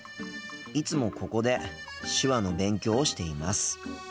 いつもここで手話の勉強をしています。